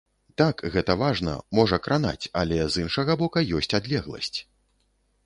Так, гэта важна, можа кранаць, але з іншага бока ёсць адлегласць.